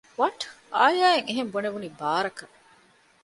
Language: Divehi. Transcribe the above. ވަޓް؟ އާޔާ އަށް އެހެން ބުނެވުނީ ބާރަކަށް